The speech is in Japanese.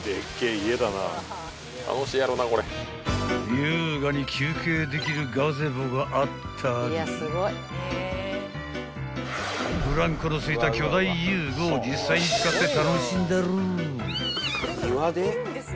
［優雅に休憩できるガゼボがあったりブランコの付いた巨大遊具を実際に使って楽しんでる］